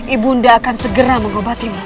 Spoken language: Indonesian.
ibu anda akan segera mengobatimu